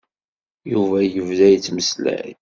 Yuba yebda yettmeslay.